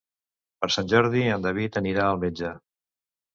Per Sant Jordi en David anirà al metge.